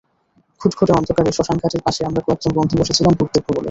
ঘুটঘুটে অন্ধকারে শ্মশানঘাটের পাশে আমরা কয়েক বন্ধু বসে ছিলাম ভূত দেখব বলে।